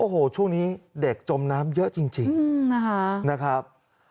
โอ้โหช่วงนี้เด็กจมน้ำเยอะจริงนะครับ